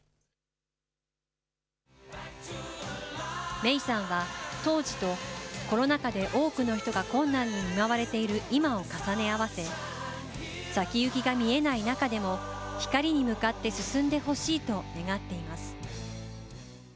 メイさんは、当時とコロナ禍で多くの人が困難に見舞われている今を重ね合わせ、先行きが見えない中でも光に向かって進んでほしいと願っています。